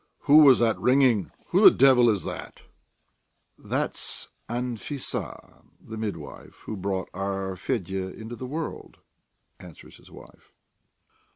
Who was that ringing? Who the devil is that?" "That's Anfissa, the midwife who brought our Fedya into the world," answers his wife.